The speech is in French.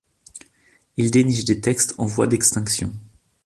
Il déniche des textes en voie d'extinction.